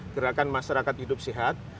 gerakan masyarakat hidup sehat